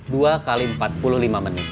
dua x empat puluh lima menit